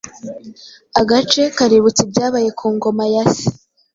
Agace kaributsa ibyabaye ku ngoma ya se